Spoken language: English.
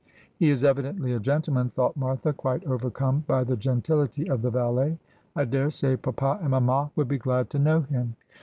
' He is evidently a gentleman,' thought Martha, quite over come by the gentility of the valet. ' I daresay papa and mamma would be glad to know him.'